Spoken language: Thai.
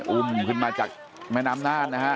อุ้มขึ้นมาจากแม่น้ำน่านนะฮะ